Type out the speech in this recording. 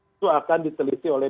itu akan diteliti oleh